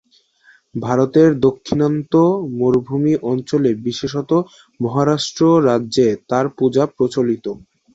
ভারতের দাক্ষিণাত্য মালভূমি অঞ্চলে, বিশেষত মহারাষ্ট্র রাজ্যে তাঁর পূজা প্রচলিত।